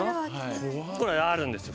これあるんですよ